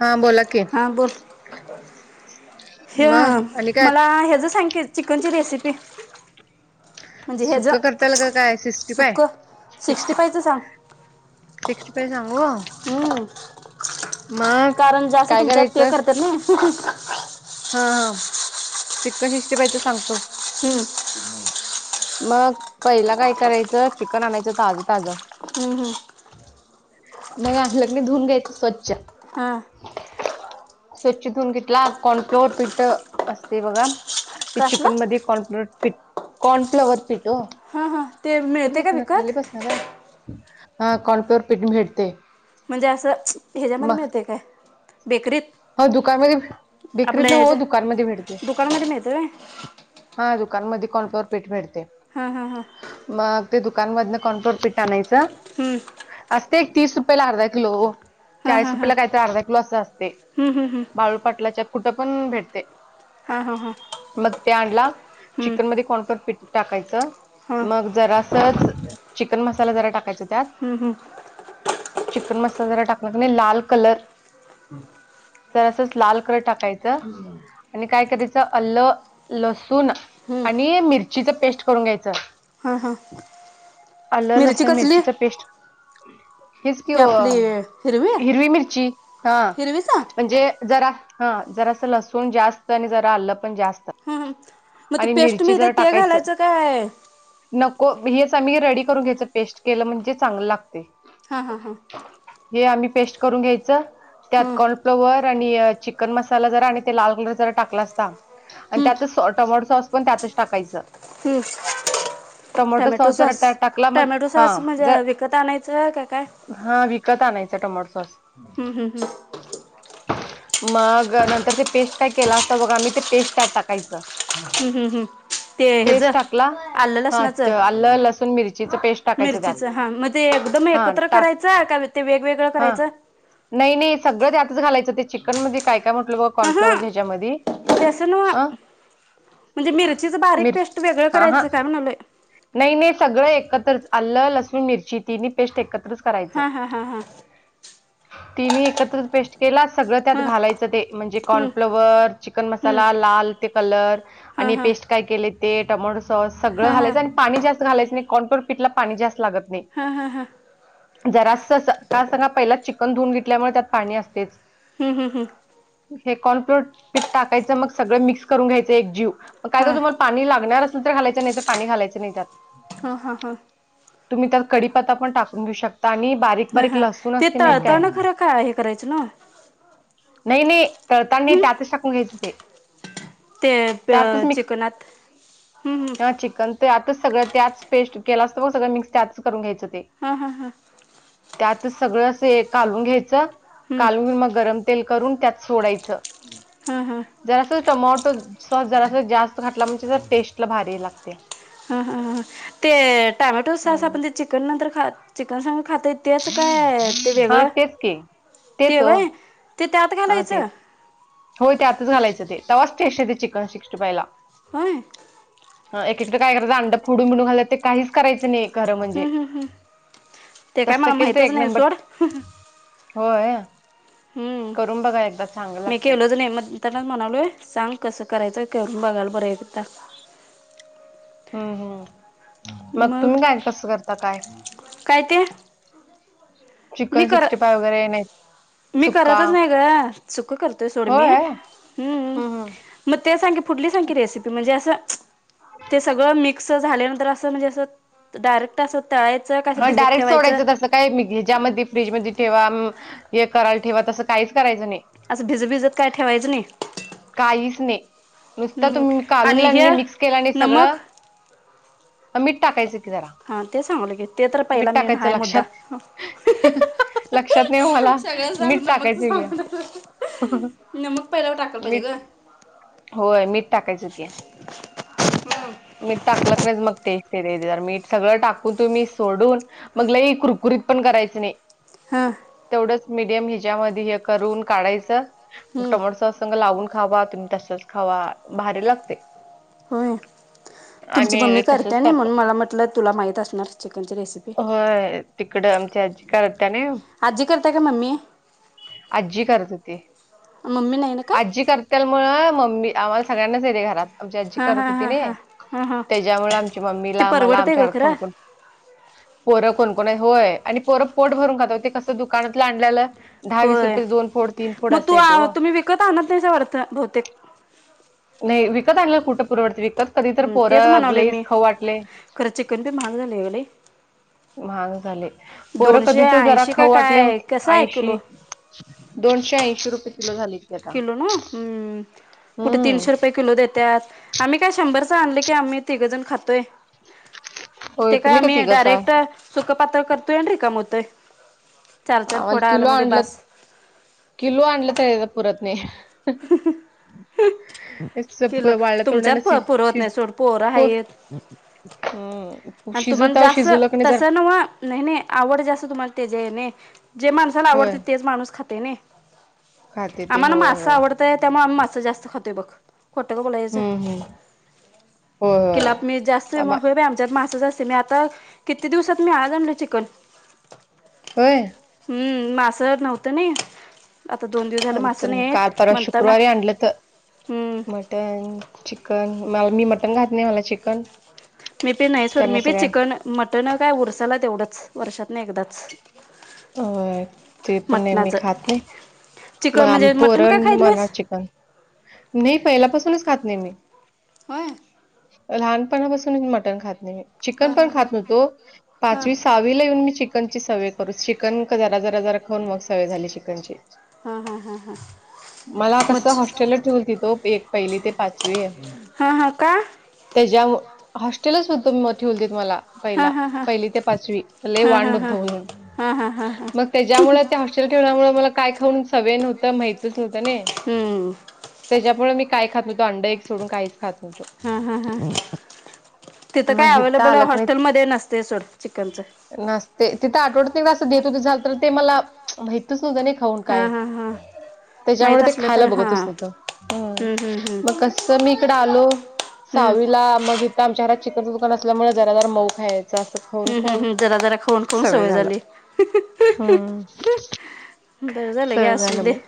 हा बोला की अ बोल मग ह आणि काय मला ह्याच सांगते चिकनची रेसिपी म्हणजे सुख ह्याचं करताल का काय सिक्स्टी सुक्क फाय सिक्स्टी फायचं सांग फिक्स रुपये सांगू हम्म मग कारण जास्त काय तुमच्यात पे करायचं करतात ना हा हा चिक्न हिस्टी पाहिजे सांगतो हम् मग पहिला काय करायचं चिकन आणायचं ताजं ताजं हम्म हम् मग अलग्ने धुऊन घ्यायचं स्वच्छ हां स्वच्छितून घेतला कोण फलोर पीठ असते बघा ते चिकन कसलं मध्ये कॉर्नप्लो पठ कॉर्नफ्लॉवर पीठ हो हां हां ते कुठ मिळते का खाली विकत बसणार आहे हा कॉनप्यर पिठ भेटते म्हणजे असं ह्याच्यामध्ये मग मिळते काय बेकरीत हो दुकानमध्ये बेिकरीत आपल्या ना हो ह्याच्या दुकानमध्ये भेटते दुकानामध्ये मिळते काय हा दुकानमध्ये कॉनफ्लोअर पीठ मिळते हा हा हां मग ते दुकानमधन कॉन्टोर पीठ आणायचं हम असते एक तीस रुपयाला अर्धा किलो चाळीस रुपयाेला काहीत अर्धा किलो असं असते हम् हम हंम बाळू पाटलाच्या कुठं पण भेटते हां हां हां मग ते आणला हम्म, चिकन मध्ये कोण [unintelligible] पीट टाकायचं हां मग जरासच चिकन मसाला जरा टाकायचा त्यात. हम्म हम्म चिकन मसाला जरा टाकला की नाही लाल कलर तर असच लाल कलर टाकायचं आणि काय करायचं अल्ल, लसुण. हम्म. आणि मिरचीच पेस्ट करून घ्यायचं. ह हां आलं मिरची लसूण कसली मिरचीचा पेस्ट. हेच कि हे ओ आपली हिरवी मिरची हां. हिरवीचा म्हणजे जरा हा जरा असं लसूण जास्त आणि जरा आलं पण जास्त. हां हां मग ते आणि पेस्ट मिरची मीळतेे जरा ते टाकायचं घालायचं काय? नको हेच आम्ही रेडी करून घ्यायच पेस्ट केलं म्हणजे चांगलं लागते. हा हा हां हे आम्ही पेस्ट करून घ्यायचं. त्यात हं, कॉर्नफ्लोअर आणि चिकन मसाला जरा आणि ते लाल कलर जरा टाकला असता. आणि हं, हं. त्याच टमाटो सॉस पण त्यातच टाकायचं हू टोमॅटो टमॅटो जरा सॉस त्यात टाकला मग टॅमॅटो हा सॉस जर म्हणजे विकत आणायचं का काय? हा विकत आणायचं टोमॅटो सॉस. हं, हं हं मग नंतर ते पेस्ट काय केलं असतं बघा आम्ही ते पेस्ट त्यात टाकायचं. हम्म हम् हम्म पेस्ट टाकला हा आलं, लसूण, मिरचीच पेस्ट टाकायचं त्यात. हा म्हणजे एकदम हा एकत्र टाक करायच का ते वेगवेगळं हा करायचं? नाही नाही सगळं त्यातच घालायचं ते चिकन मध्ये काय काय म्हटलं ब कॉर्नफ्लवर हां ह्याच्यामध्ये ते असं ना अ म्हणजे मिरचीच बारीक मिर पेस्ट वेगळं हा हा करायंच का म्हणालोय. नाही नाही सगळं एकत्रच आलं, लसूण, मिरची, तिनी पेस्ट एकत्रच. करायचं हां हां हां हां तीन्ही एकत्र पेस्ट तेला सगळं त्यात हां घालायचं ते म्हणजे हं, हं, कॉर्नफ्लॉवर, चिकन, मसाला, लाल ते कलर हा आणि हां पेस्ट काय केले ते टोमॅटो सॉस सगळं हां हां घालायचं आणि पाणी जास्त घालायच नाही [unintelligible] पाणी जास्त लागत हा हा हा नाही जरा अस का सांगा पहिलाच चिकन धुऊन घेतल्यामुळे त्यात पाणी असते. हम् हम् हं हे कॉर्न फ्लोर पीठ टाकायचं मग सगळं मिक्स करून घ्यायचं एक जीव. काय हा तर तुम्हाला पाणी लागणार असल तर घालायचं नाही तर पाणी घालायचं नाही त्यात. हा हा हा तुम्ही त्यात कडीपत्ता पण टाकून घेऊ शकता आणि बारीक हा बारीक हां लसूण ते त असते माहित काय तळताना खरं काय हे करायचं ना. नाही नाही तळताना नाही हम्म त्यातच टाकून घ्यायचं ते. ते त्यातच मिक्स चिकनात हम्म हम्म ते आतच सगळं त्याच पेस्ट केलं असतं मग सगळं मिक्स त्यातच करून घ्यायचं ते. हा हा हां त्यात सगळं अस कालून घ्यायचं हम्म कालून मग गरम तेल करून त्यात सोडायचं. हम हां. जरास टोमॅटो सॉस जरास जास्त घातला म्हणजे टेस्ट ला भारी लागते. ह हां हां ते टामॅटो साॅस आपण ते चिकन नंतर खात चिकन संग खातय. त्याच काय ते हा वेगळं तेच की ते तेच ओ व्हय ते त्यात हा तेच घालायचं. होय ते त्यातच घालायचं तेव्हाच टेस्ट चिकन सिक्स्टी फायला. होय अ एककडेयतं अंडा फोडून मििून घालंय ते काहीच करायं नाही र हम्म म्हणजे हम्म हम्म ते काय तस मला केल तर माहितच एक नाही नंबर सोड हो आहे हम्म मी लागते. केवलो त नाही मत ताना म्हणालोय सांग कसं करायचं करून बघाल बरं एक हम्म हम्म मग तुम्ही काय कसं करता काय कात चिकन सिक्स्टी फाय्ह वगैरे नाही. मी सुक्का करतच नाही ग चुक करतोय सोड म होय हम्म. मग ते सांगे फुठली सांखी रेसिपी म्हणजे असं. ते सगळं मिक्स झाल्यानंतर असं म्हणजे असं डायरेक्ट असं तळायचं का असं हं भिजत डायरेक्ट ठेवायचं. सोडायचं तसं काय मी्या ज्यामध्ये फ्रीज म ठेवा करायला ठेवा तसं काहीच करायचं नाही असं भिजत भिजत काय ठेवायचं नाही काहीच नाही नुसत हम्म तुम्ही आणि कालूला हे नाही मिक्स केला नाही नमक सगळं मीठ टाकायचं की जरा हा ते सांगलं की ते तर मीठ पहिला मेन टाकायचं हाय मुद्दा लक्षात लक्षात नाही मला सगळं सांग मीठ टाकायचं घ न मग पहिलावर टाकाय पाहिजे गं. होय मीठ टाकायचं की. हा मी टाकलं क नाही मग टेस्ट देत मीठ सगळं टाकून तुम्ही सोडून मगला कुरकुरीत पण करायचं नाही. हां. तेवढंच मडियम हिच्यामध्ये हे करून काढायचं हम्म टोमोटो सॉस. लावून खावा तुम्ही तसच खावा भारी लागते. होय तुमची मम्मी आम्ही तसंच करते ना म्हणून करतो मला म्हटलं तुला माहित असणार चिकनची रेसिपी. हो. तिकडं आमच्या अजी करत त्याने अ करता का मममी आजी करत हो ते मम्मी नाही ना काय आजी करत त्यामुळे मम्मी आम्हाला सगळ्यांनाचेते घरात आमची आजी हां करत हां होते. हां हां हां हां त्याच्यामुळे आमच्या ते मम्मीला मला परवडते आमच्या ग हरात फोन खरं करण पोरं कोणकोण होय आणि पोर पोट भरून खात होते कसं दुकानातलं आणल्यालं दहावीस होय रुपये दोन फड तीन फूट असे येते ह. तकता अनंदच्या वर्तनतते नाही विकत आणला कुठं पुूरववरती विकत कधी तर हं, तेच पोरं म्हणाले लईस मी खाऊ वाटले. खरं चिकन बी महाग झालं आहे लई महाग झाले पोर दोनशे कधीच जरा ऐंशी का खऊ वाटले काय कसं आहे किलो आईशी दोनशे ऐंशी रुपये किलो झाली हम कुठ तीनशे हम्म रुपये किलो देतात आम्ही काय शंभर च आणलं की आम्ही तिकजण खातोय होय ते काय तुम्ही का आम्ही तिघच डायरेक्ट आहे सुख पात्र करतोय रिकाम होतय आ मला किलो आणलं बास किलो आणलं तर पुरत नाही ह तेच किल प- वाळल्या तोंडानं तुमच्यात शि शि पुरवतण्या सोड पोर आहेत हम्म आणि तुम्हाला शिजवताव जास्त शिजवलं की नाही जर तसं नव नाही नाही आवड जास्त तुम्हाला ते जे आहे नाही जे माणसाला आवडते तेच माणूस खाते नाही खाात ते आम्हाला होय मासं होय त्यामुळे आम्ही मास जास्त खातोय ब खत का बोलायचं हम्म हम्म होय होय किलापमीीठ जास्त आमा हो आमच्यात मास जास्त मी आ किती दिवसात मी आ आणलं चिकन होय- हम्म मासं नव्हतं ना आता दोन दिवस झालं मासं आमचं नाहीेत काल परवा शुक्रवारी आणलंत मटन चिकन मला मी मटन खात नाही मला चिकन मी बी नाही सोड त्यांना मी बि सगळ्या चिकन मटन काय उरसाला तेवढंच वर्षात नाही एकदाच अ ते पण नेहमी मटणाचं खात नाही. चिकन होय म्हणजे मटण का खायत पोरांनमुळे आम नाहीस? चिकन नाही पहिल्यापासूनच खात नाही मी होय लहानपणापासून मटण खात नाही. हा चिकन हा पण हा खात नव्हतो हा हा पाचवी सहावी ला येऊन मी चिकन ची सवय करू चिकन जरा जरा जरा खाऊन मग सवय झाली चिकनची हम्म हम्म हम्म हम्म मला कसं हॉस्टेलला ठेवलीत ओ एक पहिली ते पाचवी हा हा का? त्याच्या हॉस्टेल सुद्धा म ठेवोलते मला हा पहिला हा हा पहिली ते पाचवी लय हा हा वांड हा होतो म्हणून हा हा हा हा मग त्याच्यामुळे त्या हॉस्टेल ठेवण्यामुळे मला काय खाऊन सवय नव्हतं माहितच नव्हतं ना हम्म त्याच्यामुळे मी काय खात नव्हतो अंड एक सोडून काहीच खात नव्हतं. हा हा हा तिथं काय अव्हेलेबल हॉस्टेलमध्येध्ये नसते सोड चिकनच नसतेय तिथं आठवड्यात असं देत होत झालं तर ते मला माहितच नव्हतं. खाऊन हा काय हा हा त्याच्यामुळे माहीत ते असलं तर खायला हां बघतच नव्हतं. हम्म हम्म हम्म मग कसं मी इकडं आलो हम्म सहावीला मग आच्या घरात चिकनचं दुकानल्यामुळे जरा जर मऊ खायचं खाऊन हम्म हम्म खाऊन हम्म जरा जरा खाऊन खाऊन सवय झाली. हम्म बरं झालं गे सवय असून दे मग.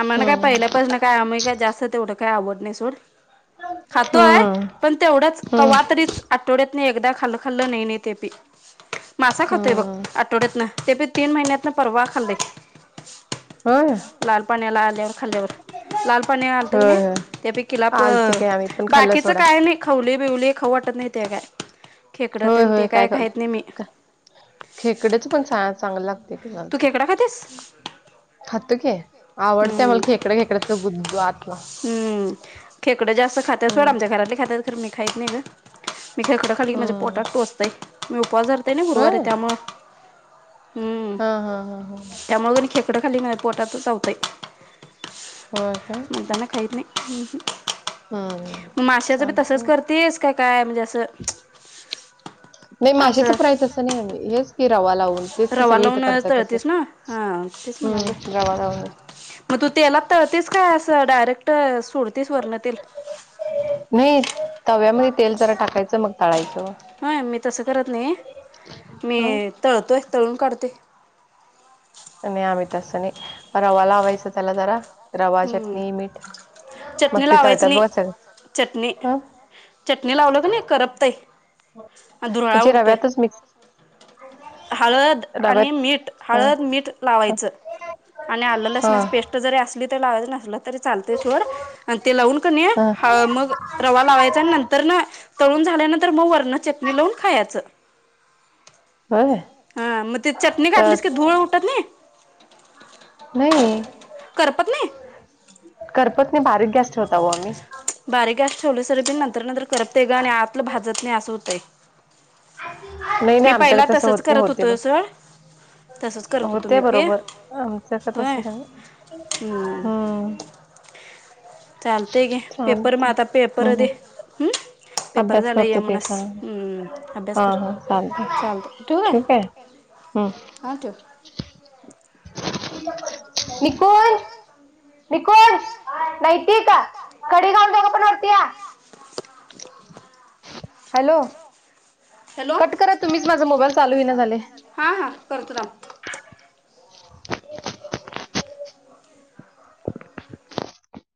आम्हाला काय हम्म पाहिल्या पास ना काय आम्ही का जास्त तेवढं काय आवड नाही सोड खातो आहे हम्म पण तेवढंच हम्म कवा तरीच आठवड्यात नाही एकदा खाल खाल्लं नाही नाही तेपी मासा खातोय बघ हम्म आठवड्यात ना तेपी तीन महिन्यात ना परवा खाल्ले होय. लाल पाण्याला आल्यावर खाल्ल्यावर लाल पाणी घालत की होय नाही होय त्यापैकीला प आलतो की आम्ही पण खाल्लं बाकीच सोडा काय नाही खाऊले बिवले खाऊ वाटतं नाही ते काय खेकडं होय तेन होय ते काय खाहीत नाही मी का खेकडच पण चांगलं लागते की तू नंतर खेकडा खातेस खातो कि आवडतंय हम्म मला खेकड्या खेकड्याच बुद्दू आतलं हम्म खेकड जास्त खातात सोडं हम्म आमच्या घरातले खातात मी खात नाही बाई मी खेकडं खाली हम्म पोटात टोचतर मी उपवास धरते ना गुरुवारी होय त्यामुळं हम्म हा हा हा हा त्यामुळे खेकडं खाली ना पोटात चावतय होय काय म्हणून खात नाही हम्म मग माश्याचं बी तसंच चालते करतेस का काय म्हणजे असं नाही माशाच असं फ्राय असं नाही आम्ही हेच की रवा लावून तेच की रवा सगळी इथं लावून करतात तसंच तळतीस ना हा तेच म्हणाले हम्म रवा लावून मग तू तेलात तरळतीस काय असं डायरेक्ट सोडतेस वरण तेल नाही तव्यामध्ये तेल जरा टाकायचं. मग तळायचं ह मी तसं करत नाही मी हं तळतोय तळून काढते. नाही आम्ही तसं रवा लावायचं जरा रवा हम्म चटणी मीठ चटणी मग ते लावायचं तळतात नाही बघ सगळ चटणी हं चटणी लावलं क नाही करपतय धुरळा म्हणजे उडतोय. रव्यातच मिक्स [unintelligible] हळद डब्यात आणि मीठ ह हळद मीठ लावायचं. आणि आलं ह लसणाची पेस्ट कुठे जरी असली तरी लावायच नसल तरी चालतय सोड आणि ते लावून की ह ह नाहीे मग रवा लावायचा. नंतर तर ना तळून झाल्यानंतर मग वरण चटणी लावून खायाच. व्हय हा मग ते चटणी घातलीस की धूळ उठत नाही. नाही करपत नाही. करपत नाही बारीक गॅस ठेवताव आम्ही. बारीक गॅस ठेवल्यासर बिन नंतर नंतर करपत ते ग आणि आतल भाजत नाही असं होतय. नाही नाही आमच्याकडे तसं होत तसंच नाही. होते ब [unintelligible] तसंच करत होतो होते मी पी बरोबर. आमचं का होय तसं का नाही हम्म चालतय की‌. पेपर म चालते आता पेपर हम् दे. हम हम्म पेपर अभ्यास झाला या करतो ते म्हणस सांग अ अभ्यास हा कर हा चालते चालत ठेऊ काय. ठीक आहे हम् हा ठेव. [unintelligible] [unintelligible] निकोज, नैतिक कडी घाल. दोघ पण वरती या. हॅलो हॅलो कट करा तुम्हीच माझा मोबाईल चालू होईना झाले. हा हा करतो थांब. [inaudible]